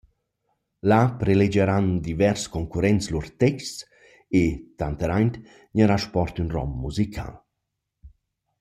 Là prelegiaran divers concurrents lur texts e tanter aint gnarà sport ün rom musical.